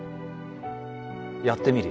やってみるよ。